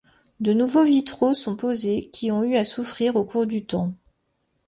De nouveaux vitraux sont posés qui ont eu à souffrir au cours du temps.